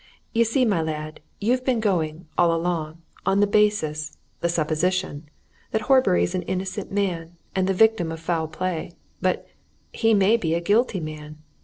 You see, my lad, you've been going, all along, on the basis, the supposition, that Horbury's an innocent man, and the victim of foul play. But he may be a guilty man!